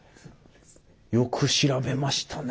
よく調べましたね。